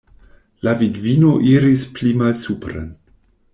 La vidvino iris pli malsupren.